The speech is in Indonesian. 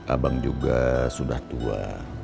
abang juga sudah tua